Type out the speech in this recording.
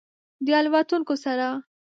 د الوتونکو سره